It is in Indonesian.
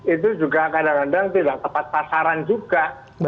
itu juga kadang kadang tidak tepat pasaran juga